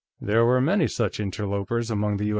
There were many such interlopers among the U.